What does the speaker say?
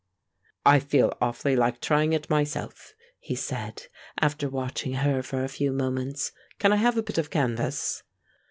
"I feel awfully like trying it myself," he said, after watching her for a few moments. "Can I have a bit of canvas?"